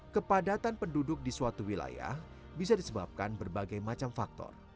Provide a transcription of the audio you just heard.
kepadatan penduduk di suatu wilayah bisa disebabkan berbagai macam faktor